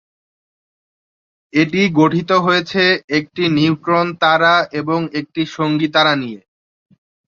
এটি গঠিত হয়েছে একটি নিউট্রন তারা এবং একটি সঙ্গী তারা নিয়ে।